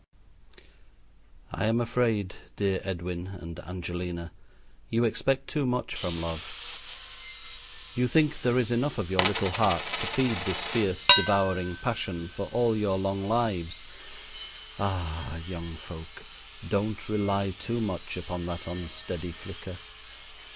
I am afraid, dear Edwin and Angelina, you expect too much from love. You think there is enough of your little hearts to feed this fierce, devouring passion for all your long lives. Ah, young folk! don't rely too much upon that unsteady flicker.